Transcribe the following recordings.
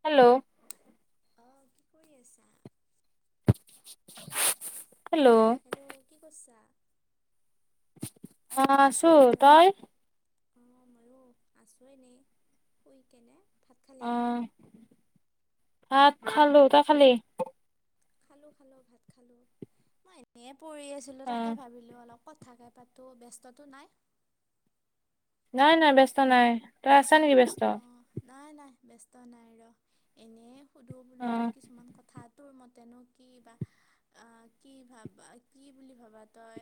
Hello অ', কি কৰি আছা [inaudible] হেল্ল' কি কৰছা? মই আছো। তই? অ ময়ো আছো এনেই শুই কেনে। ভাত খালি অহ ভাত খালো। তই খালি? খালো খালো ভাত খালো মই এনে পৰি আছিলো অ তাকে ভাবিলো অলপ কথাকে পাতো ব্যস্তটো নাই? নাই নাই ব্যস্ত নাই। তই আছ নেকি ব্যস্ত? অঁ নাই নাই ব্যস্ত নাই ৰ এনেই সুধো অ বোলোতো কিছুমান কথাত তোৰ মতেনো কি বা অ কি ভাবা কি বুলি ভাবা তই।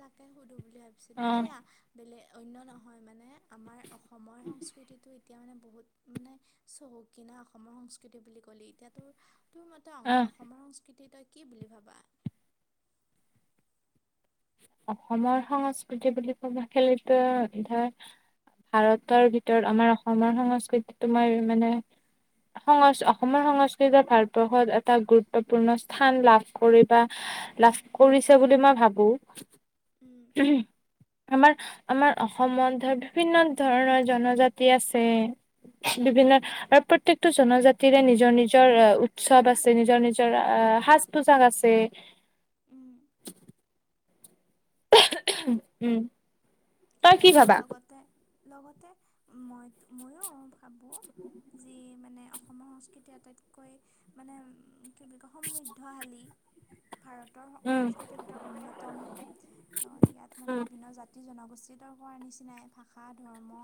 তাকে সুধো বুলি ভাবিছিলো অ এইয়া বেলেগ অন য় নহয় মানে আমাৰ অসমৰ সংস্কৃতি এতিয়া মানে বহুত মানে চহকিনা অসমৰ সংস্কৃতি বুলি কলি এতিয়াতো তোৰ মতে আহ অসমৰ সংস্কৃতি তই কি বুলি ভাবা অসমৰ সংস্কৃতি বুলি ক'ব খেলে ধৰ ভাৰতৰ ভিতৰত আমাৰ অসমৰ সংস্কৃতিটো তোমাৰ মানে সংস্ক অসম সংস্কৃতিৰ ভাৰতবৰ্ষত এটা গুৰুত্বপূৰ্ণ স্থান লাভ কৰি বা লাভ কৰিছে বুলি মই ভাবো। উম আমাৰ আমাৰ অসমত ধৰ বিভিন্ন ধৰণৰ জনজাতি আছে। বিভিন্ন উম আৰু প্ৰত্যয়েকটোৰ জনজাতিৰে নিজৰ নিজৰ উৎসৱ আছে নিজৰ নিজৰ আ সাজ পোছাক আছে। উম। [unintelligible] উম তই কি আৰু ভাবা লগতে লগতে মই ময়ো ভাবো যি মানে অসমৰ সংস্কৃতি আটাইতকৈ মানে কি বুলি কয় সমৃদ্ধশালী ভাৰতৰ উম সংস্কৃতিৰ ভিতৰত অন্যতম লগত ইয়াত মানে উম, বিভিন্ন জাতি জনগোষ্ঠী নিজিতৰ কৰ নিচিনাই ভাষা ধৰ্ম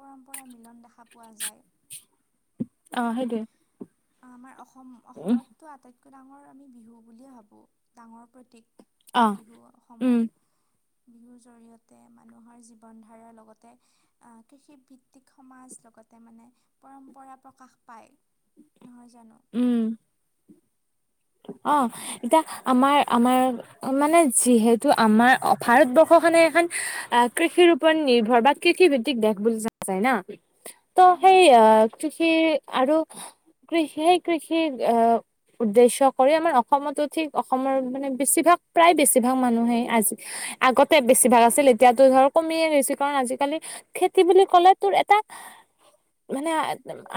পৰম্পৰা মিলন দেখা পোৱা যায় [unintelligible] অ সেইটোৱে আমাৰ অসম উম অসমতো আটাইতকৈ ডাঙৰ আমি বিহু বুলিয়ে ভাবোঁ ডাঙৰ প্ৰতীক অ বিহু উম অসমৰ বিহুৰ জৰিয়তে মানুহৰ জীৱন ধাৰাৰ লগতে কৃষিভিত্তিক সমাজ লগতে। মানে পৰম্পৰা প্ৰকাশ পায় নহয় জানো উম অ' এতিয়া আমাৰ আমাৰ মানে যিহেতু আমাৰ ভাৰতবৰ্ষ মানে এখন আহ কৃষিৰ ওৰত নিৰ্ভৰ বা কৃষি ভিত্তিক দেেশ বুলি যায় ন ত উম সেই আ কৃষি আৰু কৃষিয়েই কৃষিৰ উদ্দেশ্যক কৰি আমাৰ অসমতো ঠিক অসমৰ মানে বেছিভাগ প্ৰায় বেছিভাগ মানুহে আজি আগতেে। বেছিভাগ আছিল এতিয়াাতো ধৰ কমিয়েই গৈছ কাৰণ আজিকালি খেতি বুলি কলে তোৰ এটা মানে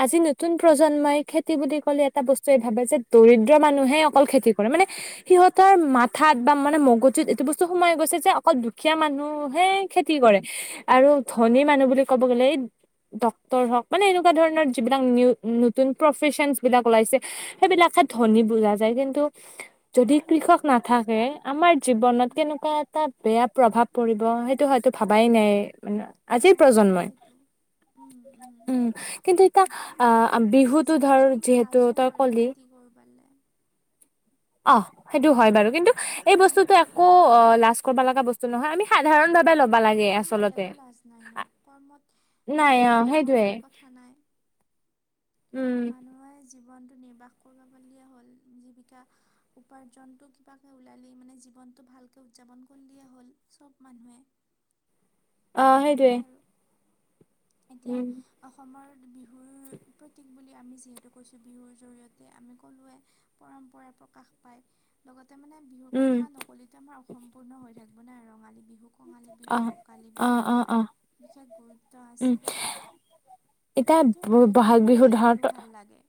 আজি নতুন প্ৰজন্মই খেতি বুলি ক'লে এটা বস্তুয়ে ভাবে যে দৰিদ্ৰ। মানুহে অকল খেতি কৰে মানে সিহঁতৰ মাথাত বা মানে মগজুত এইটো বস্তু সোমাই গৈছে যে অকল দুখীয়া মানুহহে খেতি কৰে আৰু ধনী অঁ মানুহ বুলি ক'ব গ'লে এই। ডক্তৰ হওক মানে এনেকুৱা ধৰণৰ যিবিলাক নি নতুন প্ৰফেচন বিলাক ওলাইছে সেইবিলাকে ধনি উম বুজা যায় কিন্তু যদি কৃষক নাথাকে আমাৰ জীৱনত উম কেনেকুৱা এটা। বেয়া প্ৰভাৱ পৰিব সেইটো হয়তো ভাবাই নাই মান আজিৰ অঁ প্ৰজন্মই। সেইটোৱেইটো উম কিন্তু এতিয়া অ' বিহুতটো ধৰ যিহেতু তই কলি কৰিব পালে অ' সেইটো হয় বাৰু কিন্তু এই উম, বস্তুটো একো অ লাজ কৰবা লাগা বস্তু নহয় আমি সাধাৰণ ভাবে কৰ্মত একো লাজ নাই ন কৰ্মত নাই অ সৰু ডাঙৰ সেইটোয়ে বুলি কথা নাই। উম মানুহে। জীৱনতটো নিৰ্বাহ কৰিব পিয়ে হ'ল জীৱিকা উপাৰ্জনতটো কিবাকে ওলালেই মানে। জীৱনটো ভালকৈ উদযাপন কৰি দিয়া হ'ল চব মানুহে। অ' সেইতোৱে সেইটোৱে আৰু এতিয়া অসমৰ বিহুৰ প্ৰতীক বুলি আমি যিহেতু কৈছোঁ বিহুৰ জৰিয়তে আমি ককলোৱে পৰম্পৰা প্ৰকাশ পায়। লগতে মানে বিহুৰ উম কথা নকলেটো আমাৰ অসম্পূৰ্ণ হৈ থাকিব নে ৰঙালী বিহু কঙালী অ বিহু ভোগালী অ বিহু অ অ বিশেষ গুৰুত্ব উম আছে তোৰ এতিয়া আটাইতকৈ বহাগ মানে কি বিহু ধৰ ভাল তই লাগে?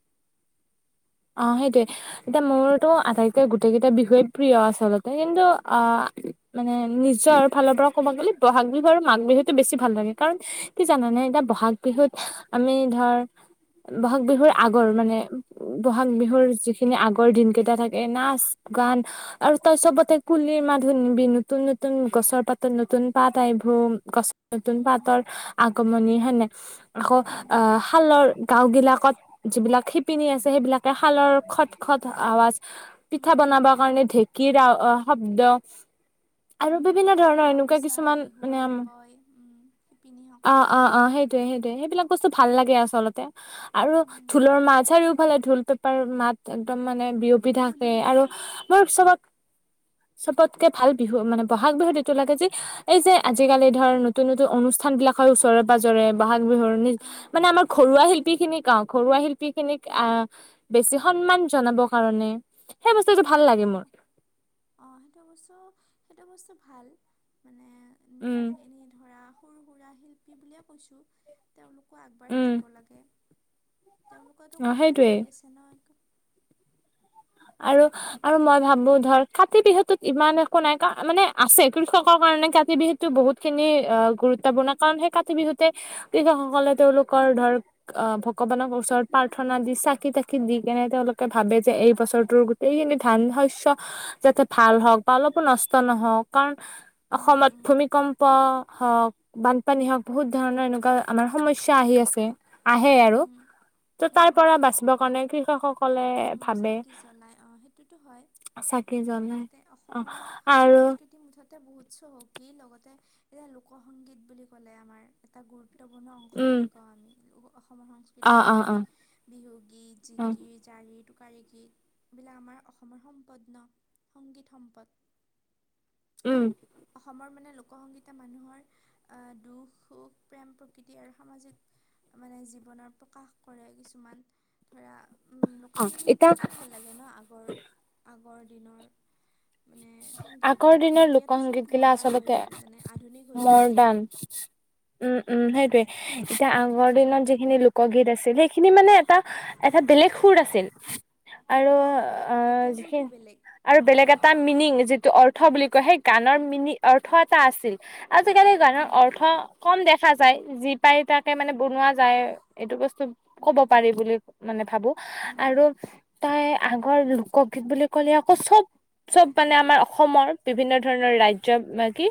অ' সেইটোৱে এতিয়া মোৰতো আটাইকেই গোটেই কেইটা বিষয়ে প্ৰিয় আচলতে কিন্তু অ মানে নিজৰ ফালৰ পৰা ক'ব গ'লে বহাগ বিহু আৰু মাঘ বিহুতটো বেছি ভাল লাগে কাৰণ কি জানে এয়া। বহাগ বিহুত আমি ধৰ বহাগ বিহুৰ আগৰ মানে বহাগ বিহুৰ যিখিনি আগৰ দিন কেইটা থাকে নাচ গান আৰু তই চবতে কুলি মানুহ নিবি নতুন নতুন গছৰ পাতত নতুন পাত আইিব গছ নতুন উম, পাতৰ। আগমনি উম, হেনেে আকৌ উম, অ শালৰ গাও বিলাকত যিবিলাক শিপিনী আছে। সেইবিলাকে খালৰ খট খট আৱাজ পিঠা উম, বনাব উম, কাৰণে ঢেঁকী। শব্দ। আৰু বিভিন্ন ধৰণৰ এনেকুৱা গামোচা কিছুমান বিহুৱ মানে আন বয় শিপিনীসকলে সেইয়ে সেইবিলাক বস্তু ভাল লাগে আচলতে আৰু উম, ঢোলৰ মাছ আৰুও। সফালে ঢোল পেপাৰ মাত একদম মানে বিয়পি থাকে কুলিৰ আৰু মাত মোৰ চবত [inaudible] চবতকে ভাল বিহু মানে বহাগ বিহুত এইটো লাগে যে এই যে আজিকালি ধৰ নতুন নতুন অনুষ্ঠান হয় ওচৰে পাজজৰে বহাগ বিহুৰ নি অ', মানে আমাৰ অ', ঘৰুৱা শিল্পী খিনিক অ ঘৰুৱা শিল্পী খিনিক। আহ বেছি সন্মান জনাব কাৰণে সেই বস্তুটো ভাল অ- লাগে মোৰ অ-অ সেইটো বস্তু সেইটো বস্তু ভাল মানে উম, এনেই ধৰা সৰু সুৰা শিল্পী বুলিয়ে কৈছো তেওঁলোকো আগবাঢ়ি উম যাব লাগে। তেওঁলোকো অ কষ্ট সেইটোৱে কৰি আছে ন একদম আৰু আৰু মই ভাবো ধৰ কাতি বিহুটোত ইমান একো নাই মানে আছে কৃষকৰ কাৰণে কাতি বিহুতো বহুত খিনি গুৰু। গুৰুত্বপূৰ্ণ কাৰণ সেই কাতি বিহুতে কৃষকসকলে তেওঁলোকৰ ধৰক আহ ভগৱানৰ ওচৰত প্ৰাৰ্থনা দি চাকি তাকি দি কেনে তেওঁলোকে ভাবে যে এই বছৰ গোটেইখিনি ধান শস্য যাতে ভাল হওক বা অলপো নষ্ট নহওক কাৰণ উম, অসমত উম, ভূমিকম্প হওক বানপানী হওক বহুত ধৰণৰ এনেকুৱা আমাৰ সমস্যা আহি আছে। আহে আৰু উম, ত' তাৰ উম, পৰা বাচিব কাৰণে কৃষক সকলে উম, ভাবে চাকি জ্বলাই অ, সেইটোতো হয়। চাকি জ্বলাই লগতে অ অসমৰ আৰু সংস্কৃতি মুঠতে বহুত চহকী লগতে। তে এতিয়া লোক সংংগীত বুলি ক'লে আমাৰ এটা গুৰুত্বপূৰ্ণ অংশ উম বুলি কওঁ আমি অসমৰ অ সংস্কৃতিৰ অ অ ভিতৰত বিহুগীত অ জিকি টোৰি টোকী গীত এইবিলাক আমাৰ অসমৰ সম্পদ ন সংগীত সম্পদ [inaudible] উম অসমৰ মানে লোকসংগীতা মানুহৰ আহ, দুখ সুখ প্ৰেম প্ৰকৃতি আৰু সামাজিক মানে জীৱনৰ প্ৰকাশ কৰে কিছুমান ধৰা অ এতিয়া লোকসংগীতবিলাকো ভাল লাগে ন আগৰ - আগৰ দিনৰ। মানে আগৰ সংগীতবিলাক দিনৰ লোক এতিয়াতো চব সংগীত এগিলা মডাৰ্ণ হৈ আচলতে গ'ল মানে আধুনিক হৈ গ'ল চব মডাৰ্ণ। উম উম সেইটোয়ে এতিয়া আগৰ দিনত যিখিনি লোকগীত আছিল সেইখিনি মানে এটা এটা বেলেগ সুৰ আছিল আৰু অ, এতিয়া সুৰটো যিখিন বেলেগ আৰু বেলেগ এটা যিটো অৰ্থ বুলি ক সেই গৰ ম অৰ্থ এটা আছিল। আজিকালি গানৰ উম অৰ্থ কম দেখা যায় যি পাই তাকে মানে বনোৱা যায় এইটো বস্তু ক'ব উম পাৰি বুলি মানে ভাবো উম আৰু তাই আগৰ লোকগীত বুলি ক'লে আকৌ চব। চব মানে আমাৰ অসমৰ বিভিন্ন ধৰণৰ ৰাজ্যৰ কি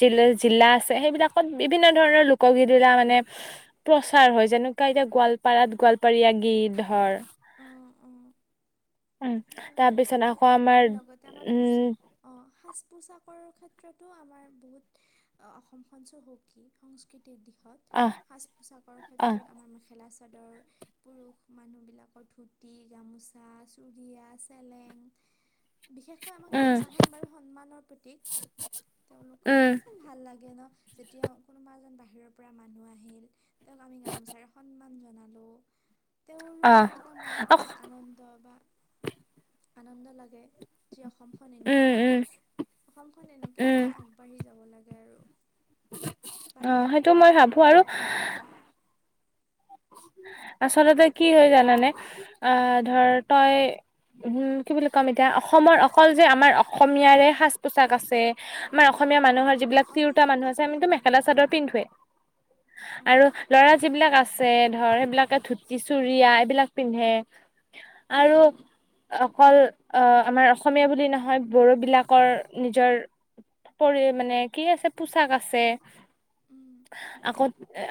জিলা- জিলা আছে সেই এই বিলাকত বিভিন্ন ধৰণৰ লোকগীত ধৰিলা মানে প্ৰচাৰ হয় যেনেকুৱা এতিয়া গোৱালপাৰাত গোৱ কৰীয়া গীত ধৰ। অ - অ। উম সেইটো হয় তাৰপিছত আকৌ আমাৰ আৰু লগতে আমাৰ পোচ উম অ সাজ পোচাক কুৰু ক্ষেত্ৰতো আমাৰ বহুত অসমখন চহকী সংস্কৃতিৰ দিশত অ সাজ পোছাকৰ অ ক্ষেত্ৰত আমাৰ মেখেলা। চাদৰ পুৰুষ মানুহ বিলাকৰ ধুতি গামোচা চ দিয় চলেং। বিশেষকৈ আমাৰ উম গামোচাখন বাৰু সন্মানৰ প্ৰতিক তেওলোকক উম ইমান ভাল লাগে ন। যেতিয়া কোনোবা এজন বাহিৰৰ পৰা মানুহ আহিল তেওক আমি গামোচাৰে সন্মান জনালো তেওঁৰো অ এটা মনত অ খুব আনন্দ বা আনন্দ লাগে যি অসমখন উম এনেকুৱা উম অসমখন এনেকৈ উম মানে আগবাঢ়ি যাব লাগে আৰু। অ বাহিৰত সেইটো মই কয় ভাবো আমাৰ আৰু অসমৰ কথা আচলতে কি হৈ জানানে আহ ধৰ তই উম, কি বুলি ক'ম এতিয়া অসমৰ অকল যে আমাৰ অসমীয়াৰে সাজ পোছাক আছে আমাৰ অসমীয়া মানুহৰ যিবিলাক অঁ তিৰোতা মানুহ আছে তেনেকুৱাতো আমিতো নহয় মেখেলা চাদৰ অঁ পিন্ধোৱে আৰু অঁ ল'ৰা যিবিলাক আছে। আছে ধৰ সেইবিলাকে ধুতি চুৰিয়া এইবিলাক পিন্ধে। আৰু অ অকল অহ, আমাৰ অসমীয়া বুলি নহয় বড়ো বিলাকৰ নিজৰ পৰি মানে কি আছে পোচাক আছে। আকৌ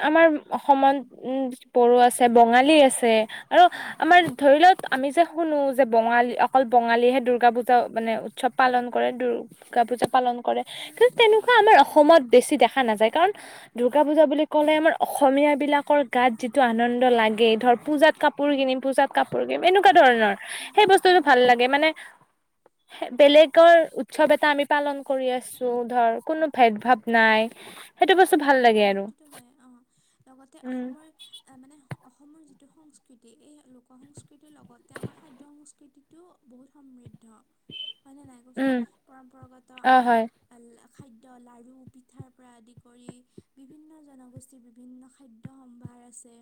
আমাৰ অসমত উম বড়ো আছে বঙালী আছে আৰু আমাৰ ধৰি লওঁক আমি যে শুনো যে বঙালী অকল বঙালীয়েহে দূৰ্গা পূজা মানে উৎসৱ পালন কৰে দুৰ্গা পূজা পালন কৰে কিন্তু তেনেকুৱা আমাৰ অসমত বেছি দেখা নাযায় কাৰণ দুৰ্গা পুজা বুলি ক'লে আমাৰ অসমীয়া বিলাক গাত যিটো আনন্দ লাগে ধৰ পূজাত কাপোৰ কিনিম পূজাত কাপোৰ কিনিম এনেকুৱা ধৰণৰ সেই বস্তুটো ভাল অঁ লাগে মানে বেলেগৰ উৎসৱ এটা আমি পালন কৰি আছো ধৰ কোনো ভেদ ভাৱ নাই সেইটো বস্তু ভাল লাগে অঁ আৰু সেইটোতো হয় অঁ লগতে উম অসমৰ এ মানে অসমৰ যিটো সংস্কৃতি এই লোক সংস্কৃতিৰ লগতে আমাৰ খাদ্য সংস্কৃতিতটো বহুত সমৃদ্ধ। হয় ন নাই কচোন উম, পৰম্পৰাগত অ, আমাৰ হয়। খাদ্য লাৰু পিঠাৰ পৰা আদি কৰি বিভিন্ন জনগোষ্ঠীৰ বিভিন্ন খাদ্য সম্ভাৰ আছে।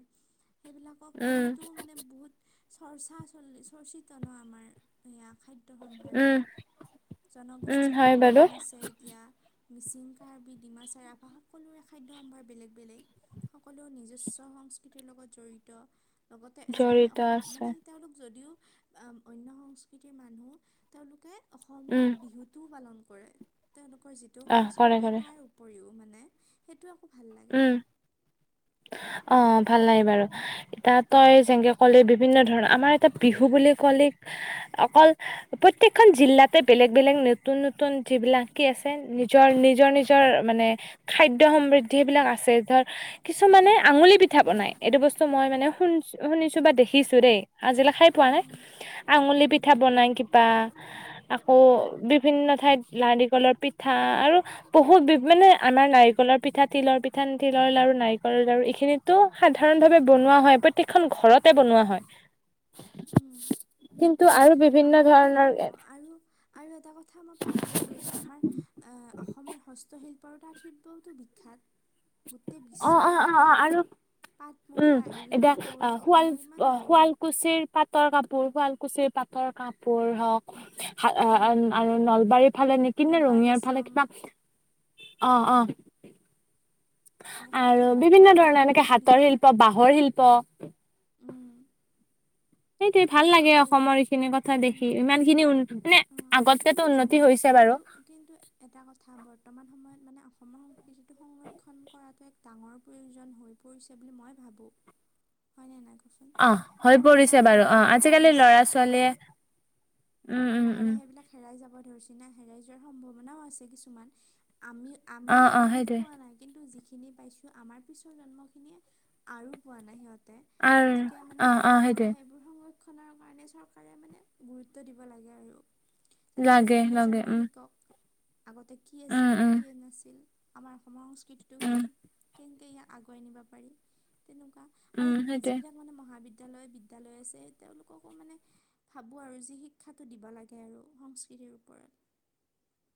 সেইবিলাকক উম, লৈতো মানে বহুত চৰ্চা চলি চৰ্চিত ন আমাৰ সেয়া খাদ্য উম, সম্ভাৰবিলাক উম, জনগোষ্ঠীৰো হয় বাৰু অৱদান আছে এতিয়া মিচিং, কাৰ্বি, ডিমাচা, ৰাভাসকলোৰে খাদ্য সম্ভাৰ বেলেগ বেলেগ সকলো নিজস্ব সংস্কৃতিৰ লগত জড়িত। লগতে যিখিনি জড়িত অসম আছে। মানে তেওঁলোক যদিও আম অন্য সংস্কৃতিৰ মানুহ তেওঁলোকে অসমীয়া উম, বিহুটো পালন তেওঁলোকৰ যিটো আহ কৰে সংস্কৃতি কৰে তাৰ উপৰিও মানে সেইটো ভাল লাগে উম। অ ভাল লাগে বাৰু ইতা তাই যেনকে ক'লি বিভিন্ন ধৰণৰ আমাৰ এটা বিহু বুলি ক'লিক অকল প্ৰতয়েকখন জিলাতে বেলেগ বেলেগ নতুন নতুন যিবিলাক কি আছে নিজৰ নিজৰ নিজৰ মানে খাদ্য সমৃদ্ধি সেইবিলাক আছে ধৰ কিছুমানে আঙুলি পিঠা বনাই এইটো বস্তু মই মানে শুনছো শুনিছো বা দেখ খিছো দেই আজিলে খাই পোৱা নাই। উম আঙুলি উম পিঠা বনাই কিবা আকৌ উম বিভিন্ন ঠাইত লাৰিকলৰ পিঠা আৰু বহুত বি মানে আমাৰ নাৰিকলৰ পিঠাত তিলৰ পিঠান, তিলৰ লাৰু, নাৰিকলৰ লাৰু এইখিনিতো সাধাৰণ ভাৱে বনোৱা হয় প্ৰত্যেকখন ঘৰতে বন ন হয়। উম কিন্তু আৰু বিভিন্ন আমাৰ ধৰণৰ এ অঁ আৰু আৰু এটা কথা মই পাহৰি গৈছো আমাৰ আহ অসমৰ হস্তশিল্প পৰতাৰ্থব্যওতটো বিখ্যাত গোটেই অ বিশ্বই অ অ অ বিখ্যাত আৰু পাট মুগা উম এৰী এতিয়া কাপোৰ অ শুৱাল অসমৰ ইমান গৌৰৱ শুৱালকুছিৰ পাটৰ কাপোৰ শুৱালকুছিৰ পাটৰ কাপোৰ হওক উম, আৰু নলবাৰীৰ ফালে নেকি নে মুগা ৰঙিয়াৰ ফালে ৰেচম কিবা অ অ। আকৌ আৰু সৰ্থেবাৰী কাঁহ বিভিন্ন ধৰণৰ পিতলো এনেকে হাতৰ বিখ্যাত শিল্প বাঁহৰ শিল্প উম, সেইটোৱে উম, ভাল লাগে কাঁহৰ শিল্প অসমৰ এইখিনি কথা উম, দেখি ইমান খিনি মানে অঁ কিন্তু আগতকেতো উন্নতি জানানে হৈছে বাৰু। কিন্তু এটা কথা বৰ্তমান সময়ত মানে অসমৰ সংস্কৃতিতটো [unintelligible] ডাঙৰ প্ৰয়োজন হৈ পৰিছে বুলি মই ভাবো হয় নে নাই কচোন অ হৈ কাৰণ ইমান পৰিছে বাৰু অ আজ আধুনিকতা আজিকালি আহিছে এতিয়া লৰা-ছোৱালীয়ে উম আৰু লাহে উম উম। লাহে এইবিলাক হেৰাই যাব ধৰিছি ন হেৰাই যোৱাৰ সম্ভাৱনাও আছে কিছুমান আমি অ আমিও অ বহুত সেইটোৱে পোৱা নাই কিন্তু যিখি খিনি পাইছোঁ আমাৰ পিছৰ জন্মখিনিয়ে আৰু পোৱা নাই সিহঁত। আৰু গতিকে মানে অ অ লাহে সেইটোৱে লাহে এইবোৰ সময়ত খনৰ কাৰণে চৰকাৰে মানে গুৰুত্ব দিব লাগে আৰু। যাতে লাগে নতুন লাগে প্ৰজন্মই উম শিকক আগতে কি উম উম আছিল-কি নাছিল। আমাৰ অসমৰ সংস্কৃতিটো উম কি? কেনকে ইয়াক আগুৱাই নিব পাৰি? তেনেকুৱা আৰু উম, সেইটোৱে। যিবিলাক মানে মহাবিদ্যালয়, বিদ্যালয় আছে তেওঁলোককো মানে ভাবোঁ আৰু যি শিক্ষাটো দিব লাগে আৰু সংস্কৃতিৰ ওপৰত [inaudible]